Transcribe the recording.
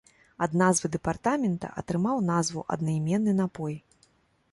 Ад назвы дэпартамента атрымаў назву аднаіменны напой.